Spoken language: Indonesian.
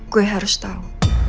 gue harus tau